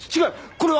これは。